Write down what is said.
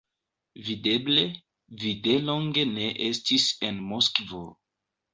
Videble, vi de longe ne estis en Moskvo.